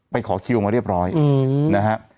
ขอคิวมาเรียบร้อยนะฮะ